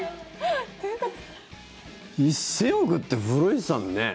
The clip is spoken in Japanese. １０００億って古市さん、ねえ。